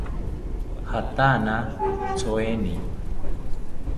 Jatana tyoeni